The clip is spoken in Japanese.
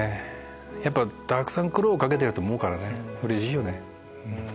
やっぱたくさん苦労かけてると思うからうれしいよね。